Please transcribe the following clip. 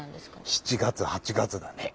７月８月だね。